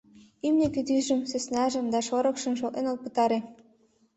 Имне кӱтӱжым, сӧснажым да шорыкшым шотлен от пытаре.